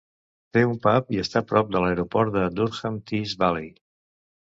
Té un pub i està prop de l'aeroport de Durham Tees Valley.